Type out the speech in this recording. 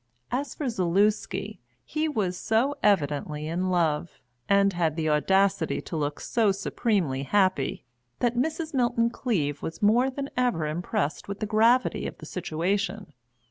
As for Zaluski, he was so evidently in love, and had the audacity to look so supremely happy, that Mrs. Milton Cleave was more than ever impressed with the gravity of the situation.